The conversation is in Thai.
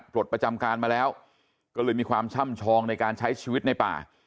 ปลดประจำการมาแล้วก็เลยมีความช่ำชองในการใช้ชีวิตในป่า